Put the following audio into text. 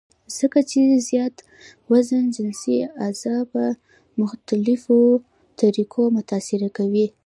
ځکه چې زيات وزن جنسي اعضاء پۀ مختلفوطريقو متاثره کوي -